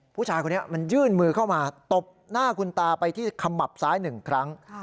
ผู้ชายคนนี้มันยื่นมือเข้ามาตบหน้าคุณตาไปที่ขมับซ้าย๑ครั้ง